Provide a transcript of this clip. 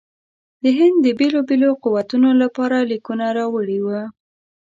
د هند د بېلو بېلو قوتونو لپاره لیکونه راوړي وه.